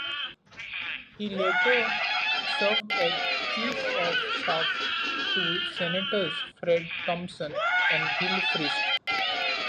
He later served as chief of staff to Senators Fred Thompson and Bill Frist.